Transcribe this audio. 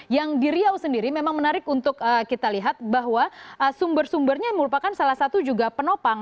yang di riau sendiri memang menarik untuk kita lihat bahwa sumber sumbernya merupakan salah satu juga penopang